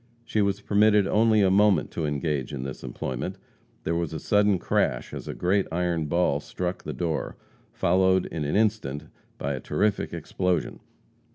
She was permitted only a moment to engage in this employment. There was a sudden crash as a great iron ball struck the floor, followed in an instant by a terrific explosion.